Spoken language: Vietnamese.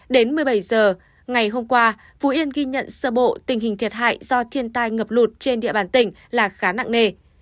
đến một mươi bảy h ngày hôm qua phú yên ghi nhận sơ bộ tình hình thiệt hại do thiên tai ngập lụt trên địa bàn tỉnh là khá nặng nề